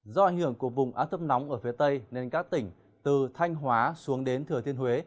do ảnh hưởng của vùng áp thấp nóng ở phía tây nên các tỉnh từ thanh hóa xuống đến thừa thiên huế